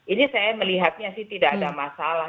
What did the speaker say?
ini saya melihatnya sih tidak ada masalah